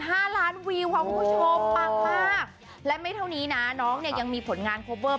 เป็นตาหักป่านนี่ให้เคอรี่มาส่งได้บ่